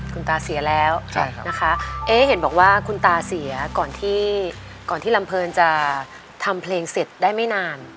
คุณตาเสียแล้วนะคะเอ๊ะเห็นบอกว่าคุณตาเสียก่อนที่ลำเพลินจะทำเพลงเสร็จได้ไม่นาน